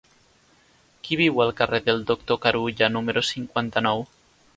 Qui viu al carrer del Doctor Carulla número cinquanta-nou?